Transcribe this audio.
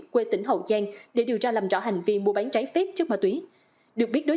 quê tỉnh hậu giang để điều tra làm rõ hành vi mua bán trái phép chất ma túy được biết đối